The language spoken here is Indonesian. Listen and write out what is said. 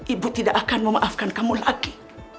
ibu tidak akan memaafkan kamu lagi